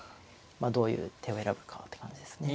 どういう手を選ぶかって感じですね。